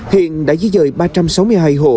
hiện đã di dời ba trăm sáu mươi hai hộ